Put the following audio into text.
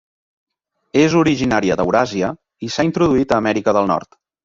És originària d’Euràsia i s’ha introduït a Amèrica del Nord.